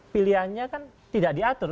pilihannya kan tidak diatur